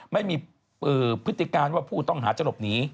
ไม่มีพฤติการว่าผู้ต้องหาจะหลบหนี